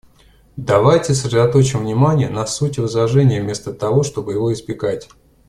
Давайте сосредоточим внимание на сути возражения вместо того, чтобы его избегать.